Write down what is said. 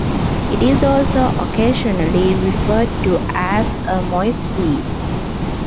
It is also occasionally referred to as a "moist lease".